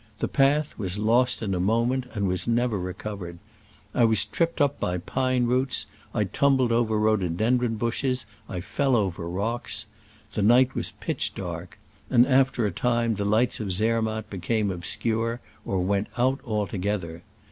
The path was lost in a moment, and was never recovered : I was tripped up by pine roots, I tumbled over rhododen dron bushes, I fell over rocks. The night was pitch dark, and after a time the lights of Zermatt became obscure or went out altogether.